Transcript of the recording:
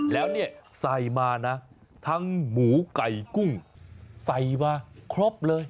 แล้วเนี่ยใส่มานะทั้งหมูไก่กุ้งใส่มาครบเลย